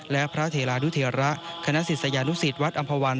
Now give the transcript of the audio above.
และพระเถราดุเถระคณะศิษยานุศิษย์วัดอำภาวัณฑ์